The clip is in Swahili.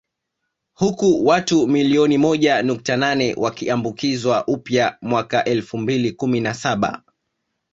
Huku watu milioni moja nukta nane wakiambukizwa umpya mwaka elfu mbili kumi na saba